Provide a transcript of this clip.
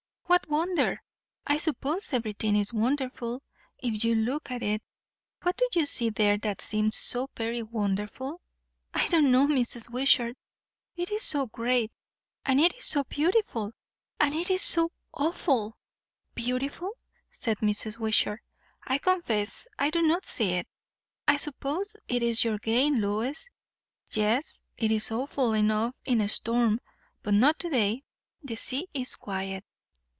what wonder? I suppose everything is wonderful, if you look at it. What do you see there that seems so very wonderful?" "I don't know, Mrs. Wishart. It is so great! and it is so beautiful! and it is so awful!" "Beautiful?" said Mrs. Wishart. "I confess I do not see it. I suppose it is your gain, Lois. Yes, it is awful enough in a storm, but not to day. The sea is quiet."